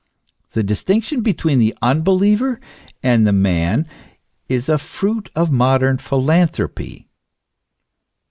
The distinction between the unbeliever and the man is a fruit of modern philanthropy.